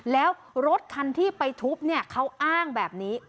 แล้วรถคันที่ไปทุบเนี่ยเขาอ้างแบบนี้